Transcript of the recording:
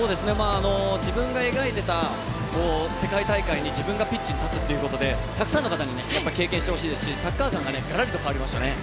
自分が描いていた世界大会に自分がピッチに立つということでたくさんの方に経験して欲しいですし、サッカー勘ががらりと変わりましたね。